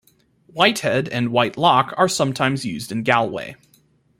Whitehead and Whitelock are sometimes used in Galway.